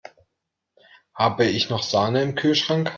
Habe ich noch Sahne im Kühlschrank?